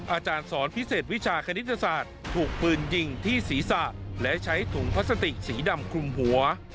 อาจารย์สอนพิเศษวิชาคณิตศาสตร์ถูกปืนยิงที่ศีรษะและใช้ถุงพลาสติกสีดำคลุมหัว